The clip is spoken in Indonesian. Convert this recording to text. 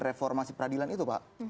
reformasi peradilan itu pak